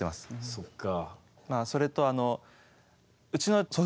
そっか。